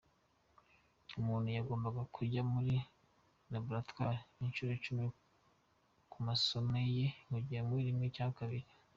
Umuntu wagombaga kujya muri laboratwari incuro icumi ku masomo ye yagiyemo rimwe cyangwa kabiri.